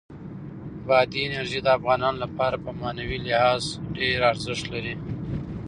بادي انرژي د افغانانو لپاره په معنوي لحاظ ډېر ارزښت لري.